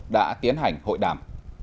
đã tiến hành hội đàm